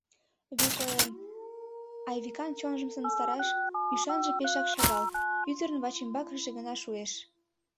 Вик ойлем: Айвикан чонжым сымыстараш ӱшанже пешак шагал — ӱдырын вачӱмбакыже гына шуэш.